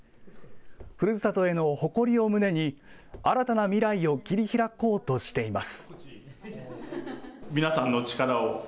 ふるさとへの誇りを胸に新たな未来を切り開こうとしています。